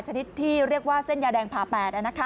ชนิดที่เรียกว่าเส้นยาแดงผ่าแปด